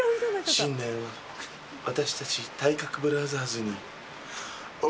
新年は私たち体格ブラザーズに。